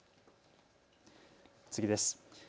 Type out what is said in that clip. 次です。